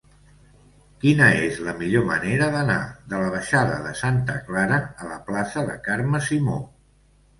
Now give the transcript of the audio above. Quina és la millor manera d'anar de la baixada de Santa Clara a la plaça de Carme Simó?